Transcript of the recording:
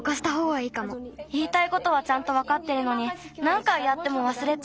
いいたいことはちゃんとわかってるのになんかいやってもわすれちゃう。